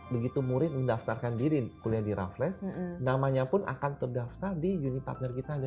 begitu murid mendaftarkan diri kuliah di raffles namanya pun akan terdaftar di uni partner kita